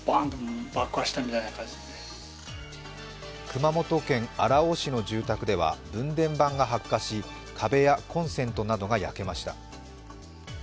熊本県荒尾市の住宅では分電盤が発火し壁やコンセントなどが焼けました。